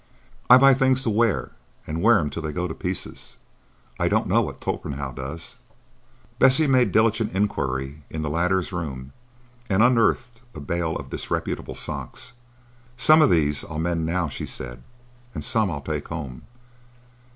"I buy things to wear, and wear 'em till they go to pieces. I don't know what Torpenhow does." Bessie made diligent inquiry in the latter's room, and unearthed a bale of disreputable socks. "Some of these I'll mend now," she said, "and some I'll take home.